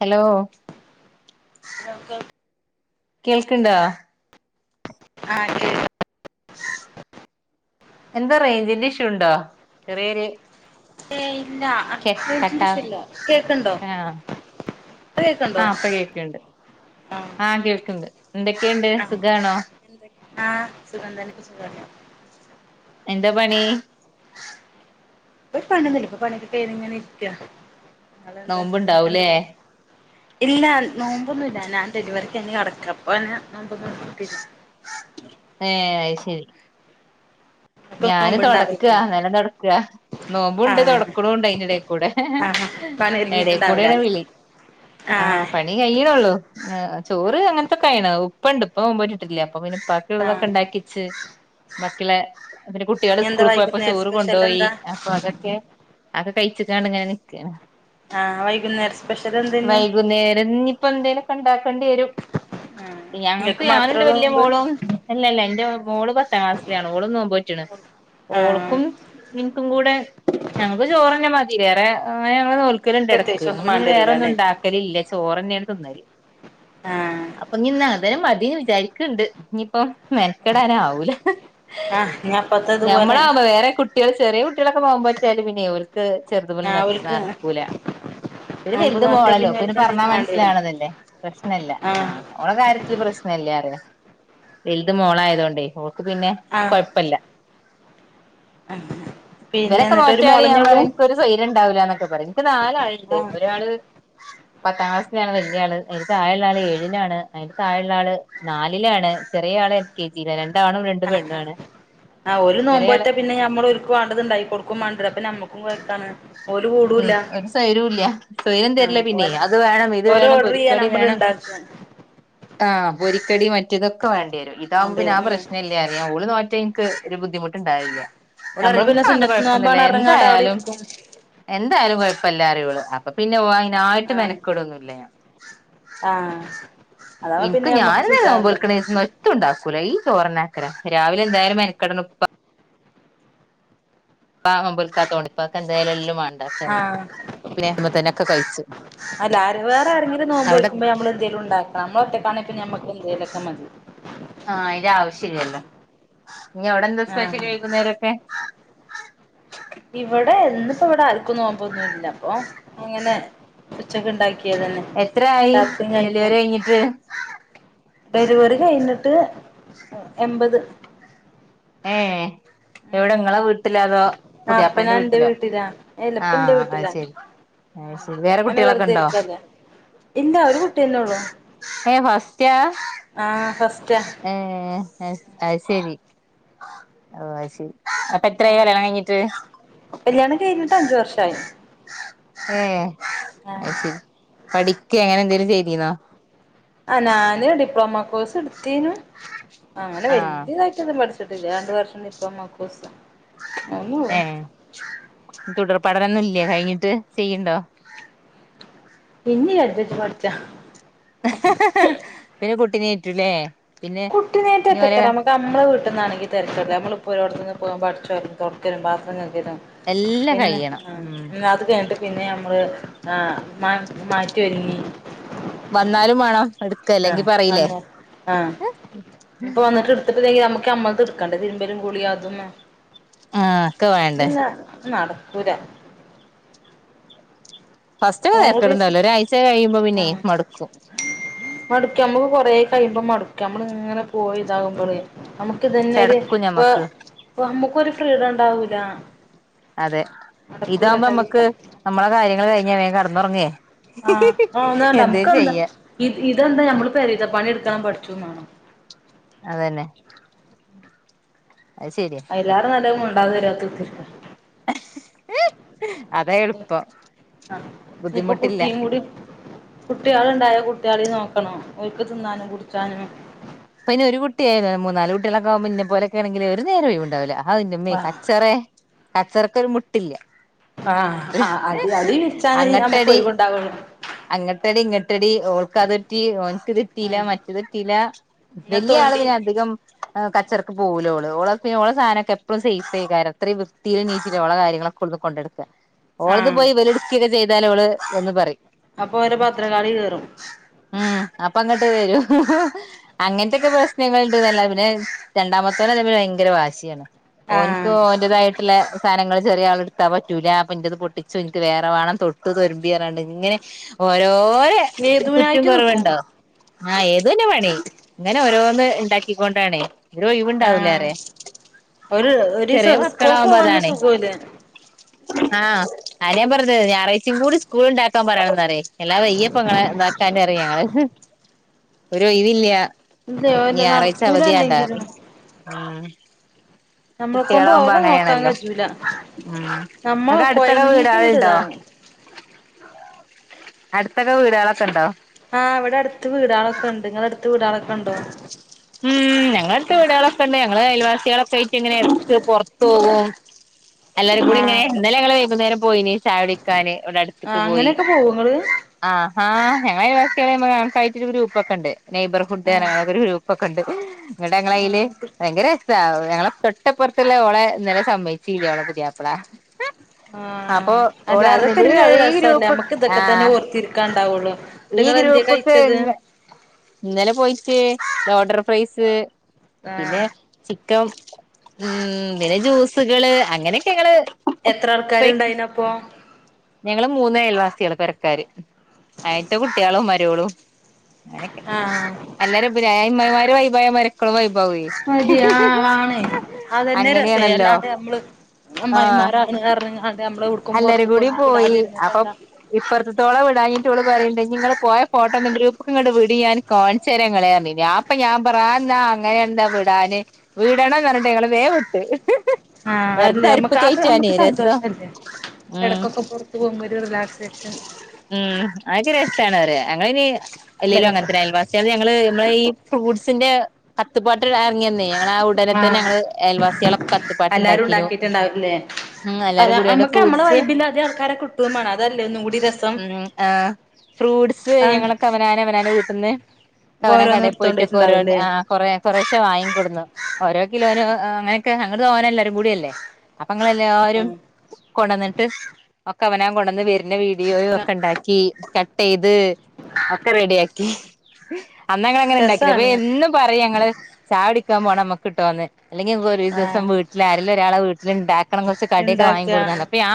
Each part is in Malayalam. ഹലോ അതൊക്കെ കേൾക്കുണ്ടാ അ ഉണ്ട് എന്താ റേഞ്ചിന്റെ ഇഷു ഇണ്ടോ ചെറിയൊരു ഏ ഇല്ല റേഞ്ചിന്റെ കേൾക്കാട്ടാ ഇഷ്യല്ല കേക്ക്ണ്ടോ ആ ഇപ്പ കേക്ക്ണ്ടോ ആ പ്പൊ കേൾക്ക്ൻണ്ട് ആ കേൾക്ക്ൻണ്ട് എന്തൊക്കെയ്ണ്ട് ആ സുഖാണോ ആ സുഖംതന്നേ സുഖല്ലേ എന്താ പണി ഇപ്പൊ പണിയൊന്നുയില്ല ഇപ്പൊ പണിയൊക്കെ കഴിഞ്ഞ് ഇങ്ങനെ ഇര്ക്കാ അതെന്താ നിനക്കെന്താ നോമ്പുണ്ടാവൂലേ പണി ഇല്ല നോമ്പൊന്നുല്ല ഞാൻ ഡെലിവറിക്കിനി കടക്കാ അപ്പോ പിന്നെ നോമ്പൊന്നും ഇട്ത്തിയില്ല ഏഹ് അത് ശരി ഇങ്ങക്ക് ഞാന് തുടക്കാ നോമ്പ്ണ്ടാവുല്ലേ നിലം തുടക്കാ ആ നോമ്പുണ്ട് തൊടക്ക്ണുണ്ട് അതിൻ്റിടെകൂടെ ആ പണി ഒരുങ്ങിട്ടുണ്ടാവൂല ഇടക്കൂടെയാണ് ല്ലേ വിളി ആ ആഹ് പണി കഴിയണേയുള്ളൂ ആ ചോറ് അങ്ങനത്തെയൊക്കെ ആയേണ് ഉപ്പയുണ്ട് ഉപ്പ നോമ്പ് നോറ്റിട്ടില്ല അപ്പൊപ്പിന്നെ ഉപ്പാക്ക് ആ ഉള്ളതൊക്കെ ഉണ്ടാക്കിവെച്ചിട്ട് ബാക്കിയ്ള്ളെ പിന്നെ കുട്ടികൾ ഇഞ്ഞെന്താ സ്കൂളിൽ പോയപ്പോ വൈകുന്നേരം ചോറ് സ്പെഷ്യൽ കൊണ്ടോയി എന്താ അപ്പൊ അതൊക്കെ അതൊ പഴിച്ചിട്ടാണ് ഇങ്ങനെ നിക്ക്ണെ ആ വൈകുന്നേരം സ്പെഷ്യൽ എന്താ ഇഞ്ഞ് വൈകുന്നേരം ഇനി ഇപ്പൊ എന്തെങ്കിലുമൊക്കെ ഉണ്ടാക്കേണ്ടി വരും ആഹ് ഞങ്ങക്ക് ഇങ്ങക്ക് ഞാനുണ്ട് മാത്രേള്ളൂ വല്ലിയ നോമ്പ് മോളും ഇല്ലല്ല എന്റെ മോൾ പത്താം ക്ലാസ്സിലാണ് ഓളും നോമ്പ് റ്റ്ണ് ആഹ് ഓൾക്കും ൻക്കും കൂടെ ഞങ്ങൾക്ക് ചോറ് തന്നെ മതി വേറെ അങ്ങനെ ഞങ്ങൾ നോൽ നോക്കലുണ്ട് ഇടയ്ക്ക് പ്രത്യേകിച്ച് ഒന്നും ഞങ്ങള് പിന്നെ വേറെ ഒന്നും മാണ്ടിരൂലല്ലേ ഉണ്ടാക്കലില്ല ചോറ് തന്നെയാണ് തിന്നല് ആഹ് അപ്പൊ ഞ്ഞ് ന്ന് എ അന്നേരം മതീന്ന് വിചാരിക്ക്ണ്ട് ഇനിയിപ്പം മെനക്കെടാൻ ആവൂല ആഹ് ഞ ഞമ്മളാ വേറെ കുട്ടികൾ ചെറിയ കുട്ടികളൊക്കെ നോമ്പ് നോറ്റാല് പിന്നെ ക്ക് ചെറുതുപോലെ ആഹ് ഓൽക്ക് നടക്കൂല ഇവടെ നോമ്പ് വെൽത് മോൾ നോറ്റാ അല്ലേ ഓക്ക് പിന്നെ ഓൽക്ക് പർണാ എന്തേലും മാണ്ടിരും മനസ്സിലാവ്ണത് അല്ലേ പ്രശ്ന ഇല്ല ആ ആഹ് ഓളെ കാര്യത്തിൽ പ്രശ്ന എല്ലാറിയാം വലുത് മോളായത് കൊണ്ടേ ഓൾക്ക് പിന്നെ ആഹ് കൊഴപ്പല്ല [unintelligible] ഇവരൊക്കെ എന്നിട്ട് ഒരു നോറ്റാല് ഞാൻ മോളന്നൊള്ളൂ പറയും എനിക്കൊരു സൗര്യം ഉണ്ടാവൂല ന്നൊക്കെ പറയും ൻക്ക് നാലാളുണ്ട് ആഹ് ഒരാള് പത്താം ക്ലാസ്സിലാണ് വലിയ ആള് അതിന്റെ താഴെയുള്ള ആള് ഏഴിലാണ് അതിൻ്റെ താഴെയുള്ള ആള് നാലിലാണ് ചെറിയ ആള് എൽ കെ ജി യില രണ്ട് ആഹ് പെണ്ണു ആഹ് ആണ് ആഹ് ഓല് ചെറിയാള് നോമ്പ്നോറ്റാ പിന്നെ ഞമ്മൾ ഓൽക്ക് വേണ്ടതുണ്ടായി കൊടുക്കും മാണ്ട്യരും അപ്പം നമക്കും കൊഴക്കാണ് ഓൽ കൂടു ഉം ഇല്ല ഒരു സ്വൈരൂല്ല സ്വൈരം ആ തരില്ല പിന്നെ ഓര് അത് വേണം ഇത് ഓര് വേണം ഓർഡർ ചെയ്യ പൊരിക്കടി നമ്മൾ വേണം ഇണ്ടാ [unintelligible] ആഹ് പൊരിക്കടി മറ്റേതൊക്കെ വേണ്ടി വരും ഇതാവുമ്പം പിന്നെ ആ മാണ്ടിരും ഉം പ്രശ്നല്ലാറിം ഞാ ഓള് നോ എനിക്ക് ഒരു ബുദ്ധിമുട്ടുണ്ടായില്ല അവള് നമ്മള് പറയും പിന്നെ എനിക്കതൊന്നും സുന്നത്ത് കൊഴപ്പൊന്നുല്ല നോമ്പാണ് പറഞ്ഞ്ങ്ങാണ്ട് അവിടെ എന്തായാലും ഇരിക്കും എന്തായാലും കൊഴപ്പല്ല പറയും ഓള് അപ്പൊ പിന്നെ അതിനായിട്ട് ആഹ് മെനക്കെടുവൊന്നുല്ല ഞാൻ ആഹ് അതാവുമ്പോ ഇൻക്ക് പിന്നെ നമ്മക്ക് ഞാൻ നോൽമ്പ് സുഖാല്ലോ നോൽക്ക്ണിസം എത്തും ഇണ്ടാക്കൂലാ ചോറുണ്ടാക്കല രാവിലെ എന്തായാലും മെനക്കടണം ഉപ്പ ഉപ്പ നോമ്പോൽക്കാത്തത്കൊണ്ട് ഉപ്പാക്ക് എന്തായാലും എല്ലും വാണം ആഹ് കഴിച്ചു അല്ല ആര് വേറെ ആരെങ്കിലും നോമ്പ് അവിടെ ഓൽക്കുമ്പോ നമ്മൾ എന്തെലും ഇണ്ടാക്കണം നമ്മൾ ഒറ്റ ആണെങ്കിൽ നമുക്ക് എന്തേലുമൊക്കെ മതി ആഹ് അയിന്റെ ആവശ്യല്ലല്ലോ ഇനി അവിടെന്താ സ്പെഷ്യൽ ആഹ് വൈകുന്നേരൊക്കെ ഇവിടെ ഇന്നിപ്പോ ഇവിടെ ആർക്കും നോമ്പൊന്നുല്ല അപ്പൊ അങ്ങനെ ഉച്ചക്ക് ഇണ്ടാ ഉണ്ടാക്കിയത് തന്നെ എത്രയായി രാത്രിയും കഴിക്കും ഡെലിവറി കഴിഞ്ഞിട്ട് ഡെലിവറി കഴിഞ്ഞ് ട്ട് എൺപത് ഏ ഉം എവിടെ നിങ്ങളെ വീട്ടില അതോ ആഹ് ഇപ്പ ഞാൻ പുതിയയാപ്പള്ളന്റെ എന്റെ വീട്ടിലോ വീട്ടിലാ അല്ല ഇപ്പ എന്റെ ആഹ അത് വീട്ടിലാ ശരി ശരി വേറെ കുട്ടികളൊക്കെ ഉണ്ടോ എന്താ ഒരു കുട്ടിയന്നേ ഉള്ളു എ ഫസ്റ്റ് ആ ഫസ്റ്റാ ഏ അതു ശരി ഓ ശരി അപ്പൊ ആ എത്രയായി കല്യാണം കഴിഞ്ഞിട്ട് കല്യാണം കഴിഞ്ഞിട്ട് അഞ്ചു വർഷമായി ഏ അ ശരി പഠിക്ക അങ്ങനെ എന്തെങ്കലും ചെയ്തിന്നോ ആ ഞാന് ഡിപ്ലോമ കോഴ്സ് എടുത്തിന് അങ്ങനെ ആഹ് വലിയ ഇത പഠ രണ്ട വർഷം ഡിപ്ലോമ കോഴ്സ് അയ്നൊള്ളു ഏ തുടർ പടനൊന്നും ഇല്ല കഴിഞ്ഞിട്ട് ചെയ്യണ്ടോ പിന്നീ രജച്ച് പഠിച്ച പിന്നെ കുട്ടീഏറ്റൂല്ലേ കുട്ടി നേട്ട എത്തക്ക നമുക്ക് നമ്മെട്ട പെട്ടാണെങ്ക തിച്ചടു നമ്മളപ്പോൾരോടത്തനിന്ന് പോകോ പഠച്ച് വും തുക്കനും പാത്ര എല്ലാം പിന്നെ കഴിയണം ഉം ആ അത് കേണ്ട് പിന്നെ നമ്മൾ മാറ്റി ഒരുങ്ങി വന്നാലും വേണോ ആ അ ആ ഇപ്പൊ വന്നിട്ട് എടുത്തിട്ടില്ലെങ്കിൽ നമ്മുക്ക് നമ്മൾത് എടുക്കണ്ടേ തിരുമ്പലും കുളീം അതും ആഹ് ഒക്കെ വേണ്ടേ പിന്ന നട ഉരാ ഫസ്റ്റൊക്കെ ആ തെരക്കെടുണ്ടാവൂല ഒരാഴ്ച കഴിയുമ്പോ പിന്നെ ആ മടുക്കും മടുക്ക കൊറ കഴിയുമ്പോ മടക്ക നമ്മള ഇങ്ങനെ പോയി ഇതാകുമ്പോേ നമുക്ക് ഇതന്നെ ഒരു ചെടക്കും ഇപ്പ ഞമ്മക്ക് നമ്മുക്കൊരു ഫ്രീഡം ഉണ്ടാവൂല അതെ നടക്കൂല ഇതാവകുമ്പോ കഴിയില്ല നമ്മക്ക് നമ്മളെ കാര്യങ്ങൾ കഴിഞ്ഞേ കടന്നുറങ്ങിയേ ആഹ് ആ ഒന്ന നമുക്ക്ന്താ ഇ ഇതെന്താ നമ്മള് പരിത പണി എടുക്കണം പഠിച്ചുന്നാണോ അതന്നെ അത് ശരിയാ അയിലഡ് നല്ലത് മുണ്ടാതെ വരുവാത്തത്തിട്ട അതാ എളുപ്പം ഇനിയിപ്പൊ ബുദ്ധിമുട്ടില്ല കുട്ടിയും കൂടി കുട്ടികള ഉണ്ടായ കുട്ടികളി നോക്കണോ ഒക്ക് തിന്നാനും കുടിച്ചാനും പിന്നെ ഒരു കുട്ടിയാല മൂന്നാലല് കുട്ടികളക്കെക്പ മുന്നെ പോലൊെ ആണെങ്കിൽ ഒരു നേരേ ഉണ്ടാവില്ല അന്നമ്മേ ആഹ് കച്ചറ കച്ചറക്കൊരു മുട്ടില്ല ആഹ് ആഹ് അടി അടി പിരിച്ചാനേ നമുക്ക് അങ്ങട്ടടി ഒഴിവുണ്ടാവുള്ളു അങ്ങട്ടടി ഇങ്ങട്ട് ഒട്ടടി ൾക്കത് തെറ്റി ഓനക്ക് തെറ്റിയില്ല ഉം മറ്റു തെറ്റില്ല പിന്നെ വലിയ തോണ്ടി ആളവിന് അധികം കച്ചറക്ക് പൊവിലോള് ഓള് ഓൾടെ സാധനൊക്കെ എപ്പോഴു സേഫ് ആയ കാര് അത്ര വൃത്തിലും നീറ്റിലള കയങ്ങളക്കെ ഉള്ള കൊണ്ട് നടക്ക ഓളത് ആഹ് പോയി വെലു എടുക്കുകൊക്കെ ചെയ്താലൽ അവഓള് എന്ന് പറയും അപ്പൊ ഓരെ ഉം ഭദ്രകാളി കേറും അപ്പ അങ്ങോട്ട് വരൂ അങ്ങനത്തെൊക്കെ പ്രശ്നങ്ങളണ്ട്ന്നല്ല പിന്നെ രണ്ടാമത്തോള തമ്മിൽ ഭയങ്കര വാശിയാണ് ഒന്ക് ആഹ് ഓന്റേതായിട്ട് വട്ടില സാധനങ്ങള് ചെറിയ ആളെടുത്താൽ പറ്റുല്ല അപ്പൊ എൻ്റേത് പൊട്ടിച്ചു എനിക്ക് വേറെ വേണം തൊട്ട് തൊരുമ്പിറണ്ട് ഇങ്ങനെ ഓരോര കുറ്റും ഏതൂനായിട്ട് നിക്കും കുറവുണ്ടോ ആഹ ഏത് തന്നെ പേണി ഇങ്ങനെ ഓരോന്ന് ഉണ്ടാക്കിക്കൊണ്ടാണ് ര ആഹ് ഒഴിവണ്ടാവലറേ ഒരു ചെറിയ ഒരീസം സ്കൂൾക്ക് മക്കളാവുമ്പോ പോവാന്ന് അതാണ് സുഖോല്ല ആ ആന ഞാ പറഞ്ഞത് ഞായറാഴ്ചയും കൂടി സ്കൂള ഉണ്ടാക്കാൻ പറയണംന്നറേ എല്ലാ വയ്യപ്പ ഇ നടക്കാന അറിയ ഒരു ഇവില്ല ഇല്ല ഓല് ഞായറാഴ്ച നടക്കൂല അവധിയാണ്ടാറ് അല്ലെങ്കിലും ഉ നമ്മളെ കൊണ്ട് ഓരോ നോക്കാൻ അങ്ങനെയാണല്ലോ കഴറ്റൂല ഉം നമ്മൾ നിങ്ങക്ക് അടുത്തൊക്കെ കൊയങ്ങീറ്റ ഇങ്ങോട്ട് വീടുകളുണ്ടോ ഇതാവും അടുത്തൊക്കെ വീടുകളൊക്കെ ഉണ്ടോ ആഹ് ഇവിടെ അടുത്ത് വീടാളൊക്കെ ഉണ്ട് ഇങ്ങള അടുത്ത് വീടാളൊക്കെ ഉണ്ടോ ഉം ഞങ്ങളടുത്ത് വീടുകളൊക്കെ ണ്ട്. ഞങ്ങള് അയൽവാസികളൊക്കെ ആയിട്ട് ഇങ്ങനെ ഇറക്ക് പുറത്തു പോവും. എല്ലാരും കൂടി ഇങ്ങനെ ആഹ് ഇന്നലങ്ങള് വൈകുന്നേരം പോയിന് ചാടിക്കാന് ഇവിടെ അടുത്തക്ക് ആഹ് പോയി. അങ്ങനെയൊക്കെ പോവോ ഇങ്ങള് ആഹ്. ആഹ് ഞങ്ങളയൽവാസികള ഒരു ഗ്രൂപ്പ്ക്കണ്ട് നെയബർഹുഡ് ആഹ് അങ്ങനത്ത ഒരു ഗ്രൂ ക്കൊണ്ട് നിങളടെ അങ്ങള അല് ആഹ് ഭയങ്കര ഞങ്ങളെ തൊട്ടപ്പുറത്തല്ല ഓളെ ഇന്നലെ സമ്മച്ചില്ല ഓളെ പുരിയാപ്പള. അപ്പൊ ആഹ് അല്ല ഓള അതൊക്കെ ഒരു ഇറഞ്ഞതില് ഈ രസല്ലേ ഗ്രൂപ്പ് നമ്മുക്ക് ആ ഇതൊക്കെ തന്നെ ഓർത്തിരിക്കാണ്ടാവുള്ളു എന്നിട്ട് ഈ നിങ്ങള് എന്ത്യേ ഗ്രൂപ്പക്ക എ കഴിച്ചത് ഇന്നലെ പോയിട്ടേ ബോഡർ ഫ്രൈസ് ആഹ് പിന്നെ ചിക്ക ഇം ഉം പിന്നെ ജ്യൂസുകള് അങ്ങനെയൊക്കെ ങ്ങള് എത്ര ആൾക്കാരുണ്ടായിനപ്പൊ ഞങ്ങള് മൂന്ന് അയൽവാസികള് പെരക്കാര് ആയിട്ട കുട്ടികളും മരൊളും ആഹ് [unintelligible] മതി ആ ആണ അതന്നെ രസ അങ്ങനെയാണല്ലോ അല്ലാതെ നമ്മള് ആഹ് അമ്മായിമാരാണ് കാരണംങ്ങാണ്ട് നമ്മളെ ഉടുക്കും പുറത്തക്കൊ ഒന്നും വിടാതിരിട്ട്ന്താ ഇപ്പറത്തോളം വിടാങ്ങിട്ടോള പറയണ്ട നിങ്ങള് പോയ ഫോട്ടോ ഗ്രൂപ്പുംട് വിട് ഞാൻ കാണ്ചേര ഇങ്ങളെന്ന് ഞൻ അപ്പ ഞാൻ പറന്നാ അങ്ങനെ എന്താ വിടാന് വീടണന്ന് പറഞ്ഞിട്ട് ങ്ങള് വേ വിട്ട് ആഹ് വെറുതെ അല്ലെ അമ്മക്ക് അത് തരിപ്പ്ക്കേറ്റാനേ അമ്മക്ക് രസം സന്തോഷം അല്ലേ. ഉം ഇടക്കൊക്കെ പുറത്തു പോകുമ്പോ ഒരു റിലാക്സേഷൻ ഉം അതൊക്കെ രാശാണ് അവര് ഞങ്ങ ഇ നല്ല അല്ലേലും രസാ അങ്ങനത്തെ അയൽവാസികൾ ഞങ്ങള്മ്മളെ ഈ ഫ്രൂട്ട്സിന്റെ കത്തുപാട്ട് ഇറങ്ങിന്നെ ഞങ്ങളാ ഉടനെ തന്നെ ആഹ് ഞങ്ങള് അയൽവാസികളൊക്കെ കത്ത്പ്പാട്ട് എല്ലാരും ഉണ്ടാക്കിനു. ഉണ്ടാക്കിട്ടുണ്ടാവില്ലേ ഉം അല്ല എല്ലാരും കൂടിയണ്ട് നമ്മുക്ക് നമ്മളെ ഫ്രൂട്ട്സ് വൈബില് അതേ ആൾക്കാരെ കിട്ടുകയും വേണം അതല്ലേ ഒന്നും കൂടി രസം ഉം ആഹ്. ഫ്രൂട്സ് ഞങ്ങളൊക്കെ അവനാന അവനാന കൂട്ടന്ന് വേറെ പോയിട്ടൊക്കെ ആ കൊറെ കുറശെ വാങ്ങിക്കൊടുന്നു. ഓരോ കിലോനങ്ങനൊക്കെ അങ്ങ തോനല്ലരും കൂടിയല്ലേ. അപ്പങ്ങളെല്ലാരും ഉം കൊണ്ടന്നിട്ട് ഒക്കെ അവനൻ കൊണ്ടുവന്ന് വരുന്ന വീ ഒക്കെ ണ്ടാക്കി കട്ട് ചെയ്ത് ഒക്കെ റെഡിയാക്കി അന്ന ഞ അങ്ങനെ ഇണ്ടാക്കി. അപ്പൊ രസാണ് എന്നും പറയും ഞങ്ങള് ചായടിക്കാ പോണം നമ്മുക്ക് കിട്ടോന്ന്. അല്ലെങ്കി ഇ ഒരു ആ ദിവസം വീട്ടില് ആരേല്ലു ഒരാള വീട്ടിൽണ്ടാക്കണം. കൊർച്ച് കടിയൊക്കെ ഉണ്ടാക്ക വാങ്ങിക്ക കൊടുന്നണ്ട് അപ്പെ ആ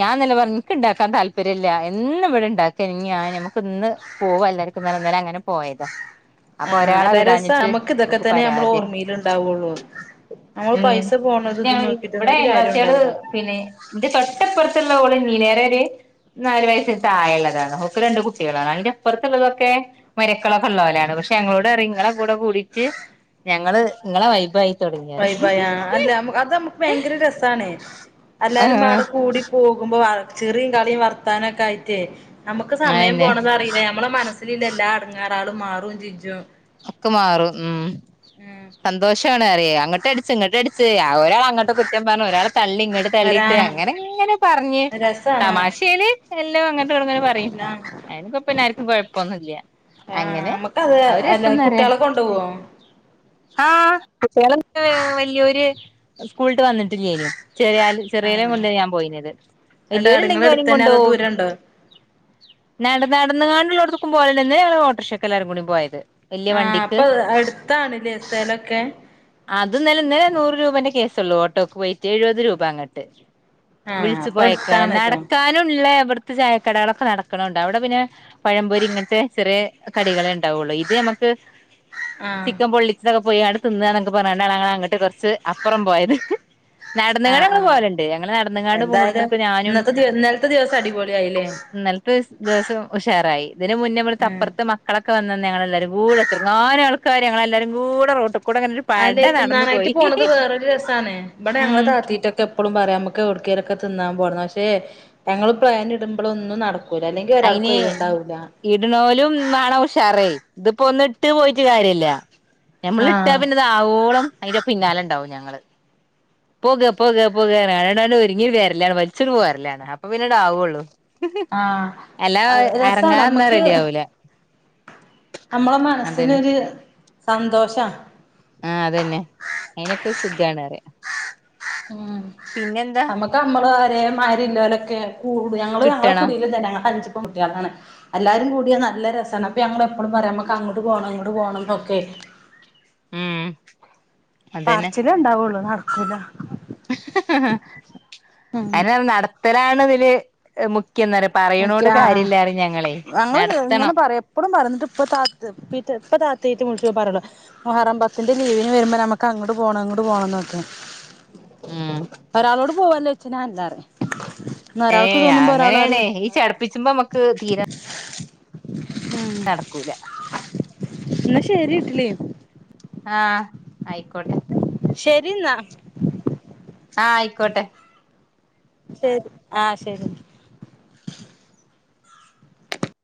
ഞാൻ നില പറഞ്ഞു നിക്കഇണ്ടാക്കാൻ താല്പര്യം ഇല്ല. എന്ന് ഇവിടെ ഇണ്ടാക്ക ഇ നമക്ക് ഇന്ന് പോവാ എല്ലാർക്കും. ന്നം അങ്ങനെ പോയത. അപ്പൊ ആ ഒരാളാ അല്ല രസ വിടാഞ്ഞിട്ട് നമുക്ക് ഇതൊക്കെ ഓക്ക് തന്നെ നമ്മൾ പരാതിയാ. ഓർമ്മയിലുണ്ടാവുള്ളൂ നമ്മൾ ഉം പൈസ പോണത് ഇത് പിന്ന നോക്കിട്ടൊന്നും ഒരു കാര്യം ഇവിടെച്ചികള് ഉണ്ടാവില്ല പിന്നെ ന്റെ തൊട്ടപ്പുറത്തുള്ള ഓള് ന നേരരെ [unintelligible] നാല് വയസിന് തായെള്ളതാണ്. ഓക്ക് രണ്ട് കുട്ടികളാണ് അതിന്റെ അപ്പുറത്തുള്ളതൊക്കെ മരക്കളൊക്കെ ഉള്ളോലെയാണ്. പഷ് ഞങ്ങളോടറയും ഇങ്ങളെ കൂടെ കൂടി്റ്റ് ഞങ്ങള് ഇങ്ങളെ വൈബ പൈ പയ അല്ല അതമ്മുക്ക് ഭയങ്കര രസാണ്. എല്ലാരും ആഹ് അടെ കൂടി പോകുമ്പോ ചെറിയും കളിയും വർത്താനൊക്കെ ആയിട്ടേ. നമുക്ക് സമയം അതെന്നെ പോണതറിയില്ല ഞമ്മള മനസ്സിലില്ല ല്ലാ അടങ്ങാറ ആളും മാറും. ചിച്ചും ഒക്കെ മാറും ഉം ഉം സന്തോഷാണ് അറിയാം. അങ്ങട്ട് അടച്ച് ഇങ്ങട്ട അടച്ച് ആ ഒരാൾ അങ്ങട്ട് കുറ്റം പറഞ്ഞ ഒരാ തള്ളി ഇങ്ങോട്ട് വരാ തള്ളിയിട്ട് അങ്ങനെ ഇങ്ങനെ പറഞ്ഞ് രസാണ് തമാശയില് എല്ലാം അങ്ങന ഉങ്ങെ പറയും. അല്ല അയി കൊപ്പംർക്കും കുഴപ്പൊന്നുംല്ല. ആ അങ്ങനെ നമുക്കത് അവര് അല്ല രസംന്ന് പറയാ കുട്ടികളെ കൊണ്ടു പോവോ? കുട്ടികള് വല്യൊരു സ്കൂളട്ട് വന്നിട്ടില്ലായിലോ. ചെറിയ ആ ചെറിയലം കൊണ്ട് ഞാ പോയിത് എന്നിട്ട് വലിയരുണ്ടെങ്കി നിങ്ങളെ ഓരേം അടുത്തന്നെ അതോ കൊണ്ടോവും. ദൂരണ്ടോ നട നടന്നുകാണ്ടുള്ളോടത്തക്കും പോലന്നെ ഞ ഓട്ടോർഷൈക്കല്ല ആർും കൂടി പോയത് വലിയ ആഹ വണ്ടിക്ക് അപ്പൊ അടുത്താണല്ലേ സ്ഥലൊക്കെ അത് നിലന്നന്ന് നൂറ് രൂപേന്റെ കേസള്ളൂ ഓട്ടോക്ക് പോയിട്ട് എഴുപത് രൂപ അങ്ങോട്ട് ആ വിളിച്ചു അപ്പൊ പോയേക്കാണ് അടുത്താണല്ലോ നടക്കാനുംഉള്ള ത്ത് ചായക്കടകളൊക്കെ നടക്കണണ്ട് അവിടെ പിന്നെ പഴമ്പൂരി ഇങ്ങനത്തെ ചെറിയ കടികളെ ഉണ്ടാവുള്ളൂ ഇത് നമുക്ക് [unintelligible] ആ ചിക്കൻ പൊള്ളിച്ചതൊക്കെ പോയി തിന്ന എന്നൊക്കെ പറഞ്ഞ ങ്ങ അങ്ങോട്ട് കുറച്ച് അപ്പുറം പോയത് നടന്നുകാണ്ട് ആഹ് ഞങൾ ആഹ് പോലുണ്ട് ഞങ്ങൾ നടന്ന കാാണ്ട് എന്തായാലും പോണടുത്തക്ക ഞാനും ഇന്നത്തെ ദിവ ഇന്നലത്തെ ദിവസം അടിപൊളിയായില്ലേ ഇന്നലത്തെ ദിവസം ഉഷാറായി ഇതിന് മുന്നേ നമ്മൾ ഉം തപ്പുറത്ത് മക്കളെെ വ ഞങ്ങളെല്ലരും കൂടെങ്ങാന ആൾക്കാര് ഞങ്ങളെല്ലാരും കൂടെ റോട്ടുകുടെ അല്ലെ തിന്നാനായിട്ട് പോണത് വേറൊരു രസാണ് ഇവിടെ ഞങ്ങള് ഉം താത്തിട്ടൊക്കെ എപ്പോഴും പറയാം നമുക്ക് കൊടുക്കയിലൊക്കെ തിന്നാൻ പോ പക്ഷെ ഞങ്ങള് പ്ലാന ഇടുമ്പോൾ ഒന്നും നട അയിന് ഇടുന്നോലും നാണ ഉഷാറേ ഇതിപ്പോ ഒന്നും ഇട്ട് പോയിട്ട് കാര്യല്ല ഞമ്മൾ ട്ടാ ആഹ് പിന്നെ ഇത ആവോളം അതിന്റെ പി പിന്നാലെ ഉണ്ടാവും ഞങ്ങള് പോക പോക പോക ട ഒരുങ്ങി വേരലാണ് വലിച്ചൊന്ന് പോറലാണ് അപ്പൊ പിന്നീടാവുള്ളൂ ഹഹ ആഹ് എല്ലാ അത് രസാണ് ഇറങ്ങാന്നാ നമ്മക്ക് റെഡി ആവൂല നമ്മളെ അതന്നെ മനസ്സിനൊരു സന്തോഷാ ആഹ അതന്നെ അയിനൊക്കെ ശുദ്ധാണ് അറിയ ഉം നമ്മക്ക് നമ്മള് വര മാരില്ലലൊക്കെ കൂ ഞങ്ങള് ഞങ്ങളെ കിട്ടണം കുട ത ഞ അഞ് കുട്ടളാണ് എല്ലാരും കൂടിയ നല്ല രസമാണ് അപ്പ ഞങ്ങ എപ്പോഴും പറയാമക്ക് അങ്ങോട്ട് പോകണം ഇങ്ങോട്ട് പോകണംൊക്കെ ആ ഉം അതന്നെ പറച്ചിലേ ഉണ്ടാവുള്ളൂ നറച്ചില ഉം അനാ നടത്തലാണ്തില് ക്കെ് ഞങ്ങള്ൾ ഇങ്ങനെ നടത്തണം പറയാ എപ്പോഴും പറഞ്ഞിട്ട് ഇപ്പ താത്ത് ഇപ്പ താ വിളിച്ച പറുള്ളൂ മഹറം ബത്തിന്റെ ലീവിന് വരുമ്പോ നമുക്ക് അങ്ങോ് പോകണം അങ്ങോ് പോണം നോക്കെ ആഹ പോവല്ലേ ചച്ചഛനഞാല്ലാറ എന്നാ ഒരാൾക്ക് തോന്നുമ്പോ ഒരാൾ അറിയും നീ ചടപ്പിച്ചുമ്പോ നമുക്ക് തീര ആഹ എന്നാ ശരി ഇട്ടില്ലേ ആഹ ആയിക്കോട്ടെ ശരിെന്നാൽ ആഹ ആയിക്കോട്ടെ ശരി ആഹ ശരി